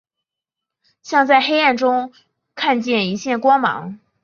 像在黑暗中看见一线光芒